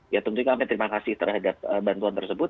ya tentu saja terima kasih terhadap bantuan tersebut